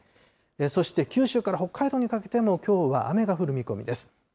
そして九州から北海道にかけてもきょうは雨が降る見込みです。